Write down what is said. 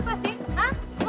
nfortuk apa ya lo